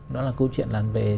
đó là câu chuyện là về